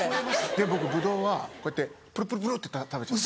で僕ブドウはこうやってプルプルプルって食べちゃう。